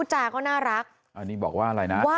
เห็นไหม